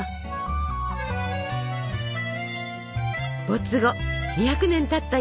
没後２００年たった